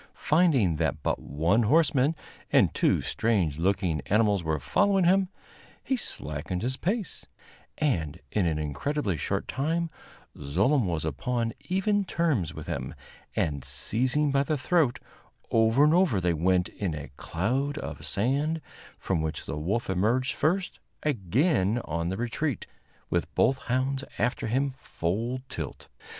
Finding that but one horseman and two strange looking animals were following him, he slackened his pace, and in an incredibly short time Zlooem was upon even terms with him, and, seizing by the throat, over and over they went in a cloud of sand, from which the wolf emerged first, again on the retreat, with both hounds after him full tilt.